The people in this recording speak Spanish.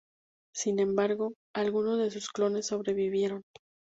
Sin embargo, algunos de sus clones sobrevivieron.